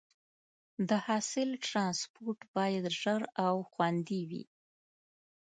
د حاصل ټرانسپورټ باید ژر او خوندي وي.